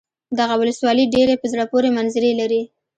دغه ولسوالي ډېرې په زړه پورې منظرې لري.